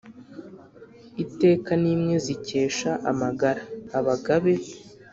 iteka ni mwe zikesha amagara abagabe